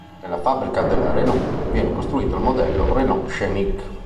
Nella fabbrica della Renault viene costruito il modello Renault Scénic.